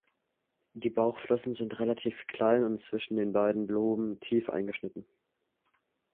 Die Bauchflossen sind relativ klein und zwischen den beiden Loben tief eingeschnitten.